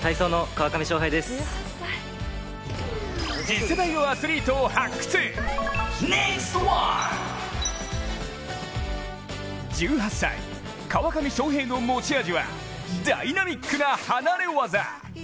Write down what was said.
「ＮＥＸＴ☆１」、初回のアスリートは１８歳、川上翔平の持ち味はダイナミックな離れ業。